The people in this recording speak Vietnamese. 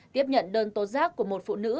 tiếp nhận đơn tố giác của một phụ nữ